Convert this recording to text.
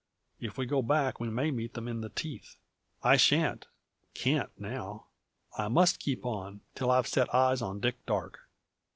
"If we go back we may meet them in the teeth. Besides, I shan't can't now. I must keep on, till I've set eyes on Dick Darke."